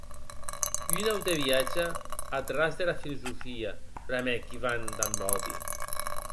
Un aute viatge ath ras dera filosofia!, bramèc Ivan damb òdi.